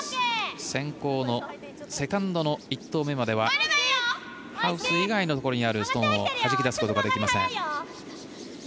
先行のセカンドの１投目まではハウス以外のところにあるストーンをはじき出すことができません。